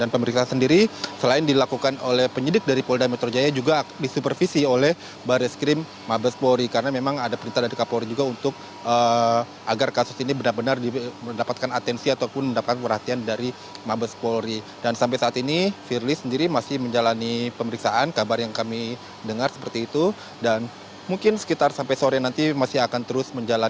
pemeriksaan firly dilakukan di barreskrim mabespori pada selasa pukul sembilan empat puluh menit dengan menggunakan mobil toyota camry